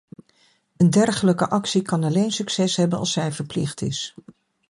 Een dergelijke actie kan alleen succes hebben als zij verplicht is.